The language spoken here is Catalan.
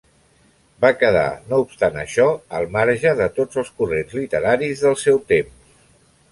Va quedar, no obstant això, al marge tots els corrents literaris del seu temps.